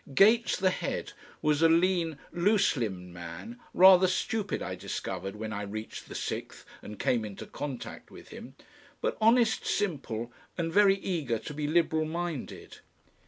Gates, the head, was a lean loose limbed man, rather stupid I discovered when I reached the Sixth and came into contact with him, but honest, simple and very eager to be liberal minded.